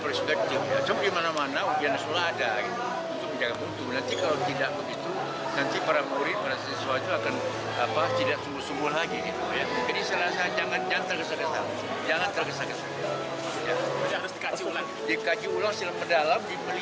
dikaji ulang silam ke dalam diperlibatkan para pakar pendidikan yang mengerti betul betul